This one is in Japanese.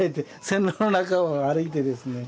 線路の中を歩いてですね。